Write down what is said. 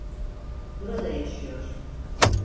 Burada yaşıyor.